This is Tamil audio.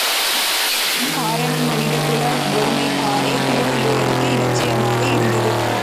காரணம், மனிதகுல ஒருமைப்பாடே திருவள்ளுவருக்கு இலட்சியமாக இருந்தது.